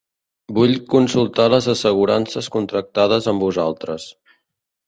Vull consultar les assegurances contractades amb vosaltres.